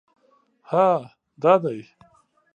_هه! دا دی!